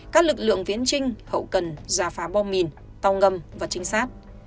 các lực lượng phiến trinh hậu cần giả phá bom mìn tàu ngầm và trinh sát